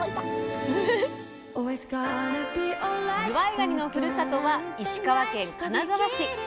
ずわいがにのふるさとは石川県金沢市。